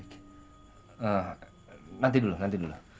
nanti dulu nanti dulu